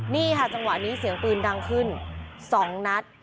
นี่ค่ะจังหวะนี้เสียงปืนดังขึ้น๒นัด